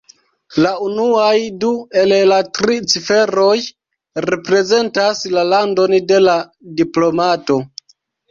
La unuaj du el la tri ciferoj reprezentas la landon de la diplomato.